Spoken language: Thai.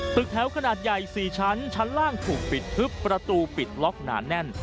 ตึกแถวขนาดใหญ่๔ชั้นชั้นล่างถูกปิดทึบประตูปิดล็อกหนาแน่น